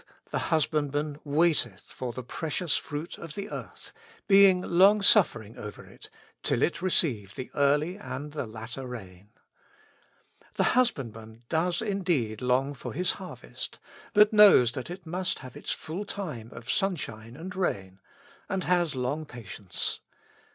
the husbandman waiteth for the precious fruit of the earth, being long suffering over it, till it receive the early and the latter rain." The husbandman does indeed long for his harvest, but knows that it must have its full time of sunshine and rain, and has long patience.